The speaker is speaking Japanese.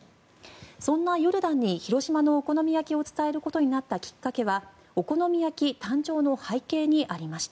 そんなヨルダンに広島のお好み焼きを伝えることになったきっかけはお好み焼き誕生の背景にありました。